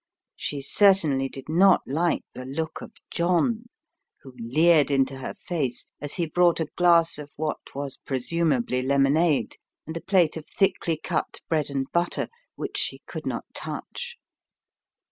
She certainly did not like the look of John, who leered into her face as he brought a glass of what was presumably lemonade and a plate of thickly cut bread and butter, which she could not touch.